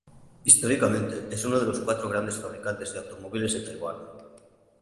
Históricamente, es uno de los cuatro grandes fabricantes de automóviles de Taiwán.